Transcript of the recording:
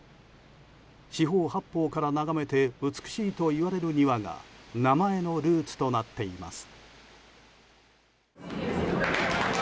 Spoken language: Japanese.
四方八方から眺めて美しいといわれる庭が名前のルーツとなっています。